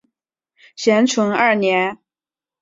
咸淳二年。